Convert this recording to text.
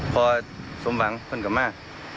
พอสมหวังคนกับมา